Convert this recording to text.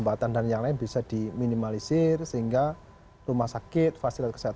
bisnis dan memangkan lebih jadi independen foreignhard dan juga konyolasi program jkn